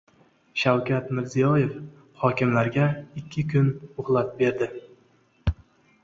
Shavkat Mirziyoyev hokimlarga ikki kun muhlat berdi